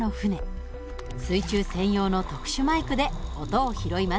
水中専用の特殊マイクで音を拾います。